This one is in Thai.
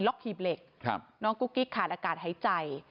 หีบเหล็กน้องกุ๊กกิ๊กขาดอากาศหายใจ